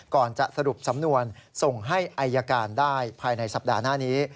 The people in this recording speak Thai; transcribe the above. ก่อนจะสรุปสำนวนส่งให้อายการได้ภายในสัปดาห์หน้านี้